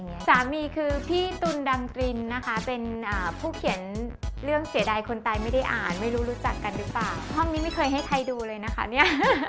สามีคือพี่ตุ๋นดังตรินนะคะเป็นอ่าผู้เขียนเรื่องเสียดายคนตายไม่ได้อ่านไม่รู้รู้จักกันหรือเปล่าห้องนี้ไม่เคยให้ใครดูเลยนะคะเนี่ย